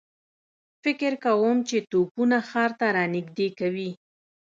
فکر کوم چې توپونه ښار ته را نږدې کوي.